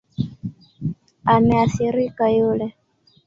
Ameathirika yule